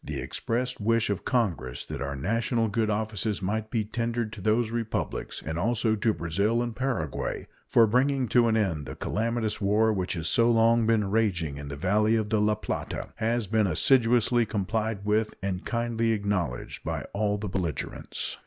The expressed wish of Congress that our national good offices might be tendered to those Republics, and also to Brazil and Paraguay, for bringing to an end the calamitous war which has so long been raging in the valley of the La Plata, has been assiduously complied with and kindly acknowledged by all the belligerents.